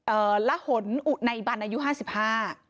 เอ่อละหนอุนัยบันอายุห้าสิบห้า